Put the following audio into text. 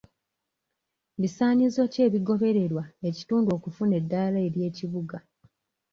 Bisaanyizo ki ebigobererwa ekitundu okufuna eddaala ery'ekibuga?